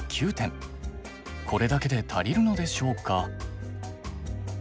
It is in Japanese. これだけで足りるのでしょうか？